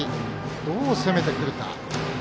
どう攻めてくるか。